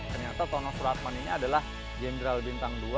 ternyata tonus suratman ini adalah general bintang dua